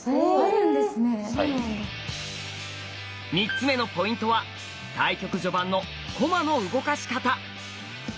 ３つ目のポイントは対局序盤の駒の動かし方。